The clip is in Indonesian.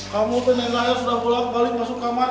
kamu tuh yang raya sudah pulang balik masuk kamar